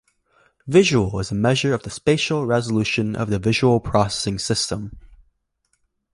Visual is a measure of the spatial resolution of the visual processing system.